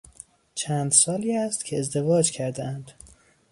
چند سالی است که ازدواج کردهاند.